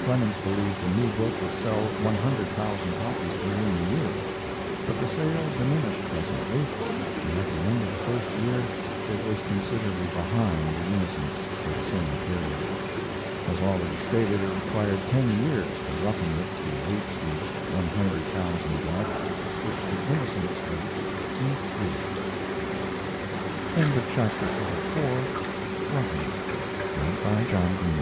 Clemens believed the new book would sell one hundred thousand copies within the year; but the sale diminished presently, and at the end of the first year it was considerably behind the Innocents for the same period. As already stated, it required ten years for Roughing It to reach the one hundred thousand mark, which the Innocents reached in three. LXXXV. A BIRTH, A DEATH, AND A VOYAGE The year 1872 was an eventful one in Mark Twai